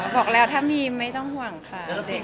บอกแล้วถ้ามีไม่ต้องห่วงค่ะ